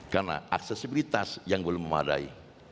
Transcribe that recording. karena aksesibilitas yang belum memadai